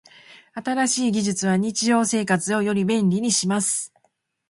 新しい技術は日常生活をより便利にします。